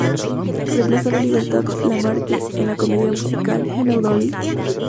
Reemplazó a Libertad Lamarque en la comedia musical "¡Hello Dolly!